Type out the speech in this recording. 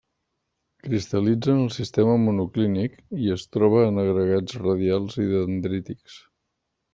Cristal·litza en el sistema monoclínic, i es troba en agregats radials i dendrítics.